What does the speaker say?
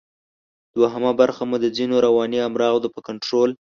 دوهمه برخه مو د ځینو رواني امراضو په کنټرول